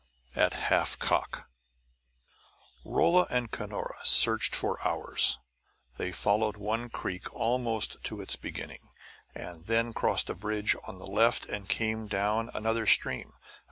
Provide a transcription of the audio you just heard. X AT HALF COCK Rolla and Cunora searched for hours. They followed one creek almost to its very beginning, and then crossed a ridge on the left and came down another stream.